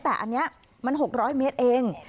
แต่อันนี้มัน๖๐๐เมตรเอง